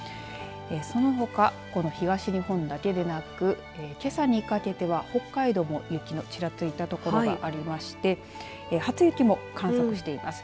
そのほか、この東日本だけでなくけさにかけては、北海道も雪のちらついた所がありまして初雪も観測しています。